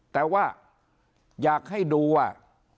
แต่ว่าอยากให้ดูว่า